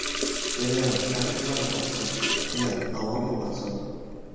دىلىڭ سەرخىللارغا باقسۇن، تىلىڭ ئاۋامغا باقسۇن!